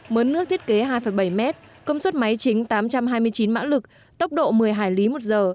mớn nước thiết kế hai bảy mét công suất máy chính tám trăm hai mươi chín mã lực tốc độ một mươi hải lý một giờ